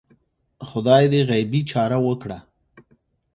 خدای دې غیبي چاره وکړه